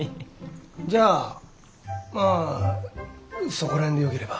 じゃあまあそこら辺でよければ。